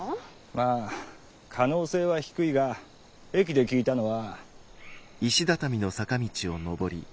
まあ可能性は低いが駅で聞いたのは。